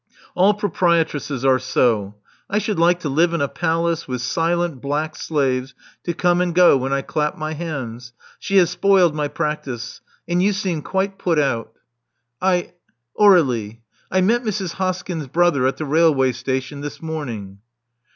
"All proprietresses are so. I should like to live in a palace with silent black slaves to come and go when I clap my hands. She has spoiled my practice. And you seem quite put out." 368 Love Among the Artists I Aur61ie: I met Mrs. Hoskyn's brother at the railway station this morning."